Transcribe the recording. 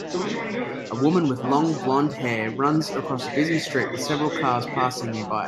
A woman with long blondhair runs across a busy street with several cars passing nearby.